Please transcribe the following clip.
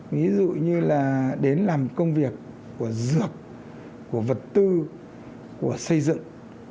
ví dụ như là đến làm công việc của dược của vật tư của xây dựng